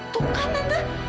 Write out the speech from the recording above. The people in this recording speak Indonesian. tuh kan tante